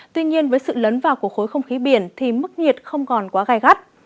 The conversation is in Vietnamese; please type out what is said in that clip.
tuy nhiên với sự lấn vào của khối không khí biển thì mức nhiệt không còn quá gai gắt